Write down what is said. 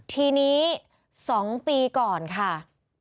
ทีนี้๒ปีก่อนค่ะ